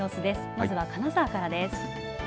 まずは金沢からです。